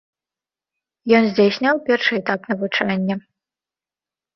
Ён здзяйсняў першы этап навучання.